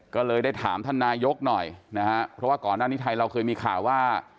ก็เลยได้ถามท่านนายกหน่อยนะฮะเพราะว่าก่อนหน้านี้ไทยเราเคยมีข่าวว่า